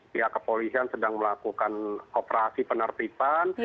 pihak kepolisian sedang melakukan operasi penertiban